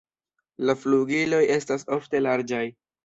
La flugiloj estas ofte larĝaj.